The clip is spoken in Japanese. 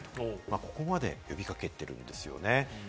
ここまで呼び掛けているんですよね。